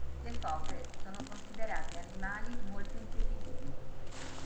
Le foche sono considerate animali molto intelligenti.